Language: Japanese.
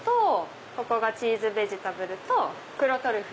ここがチーズベジタブルと黒トリュフ。